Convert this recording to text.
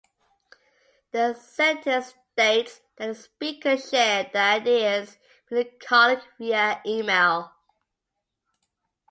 The sentence states that the speaker shared their ideas with a colleague via email.